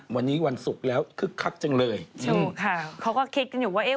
วันนี้วันศุกร์แล้วคึกคักจังเลยถูกค่ะเขาก็คิดกันอยู่ว่าเอ๊ะ